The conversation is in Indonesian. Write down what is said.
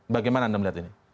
bagaimana anda melihat ini